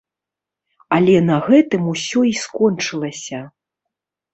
Але на гэтым усё і скончылася.